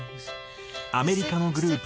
アメリカのグループ